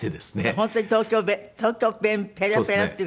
本当に東京弁ペラペラっていう感じ。